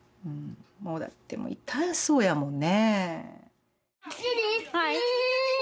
もうだってもう痛そうやもんね。